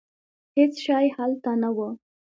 هېڅ شی هلته نه و.